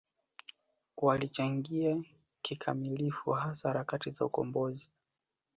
Walichangia kikamilifu hasa harakati za ukombozi